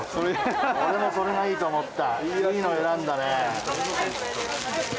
俺もそれがいいと思った。